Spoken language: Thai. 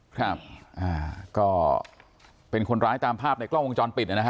ครับอ่าก็เป็นคนร้ายตามภาพในกล้องวงจรปิดนะฮะ